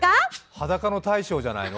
裸の大将じゃないの？